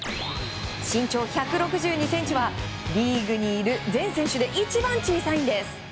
身長１６２ｃｍはリーグにいる全選手で一番小さいんです。